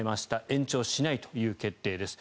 延長しないという決定です。